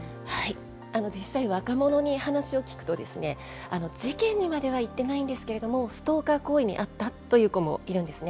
実際、若者に話を聞くとですね、事件にまではいってないんですけれども、ストーカー行為に遭ったという子もいるんですね。